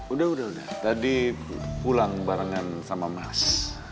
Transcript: udah udah udah tadi pulang barengan sama mas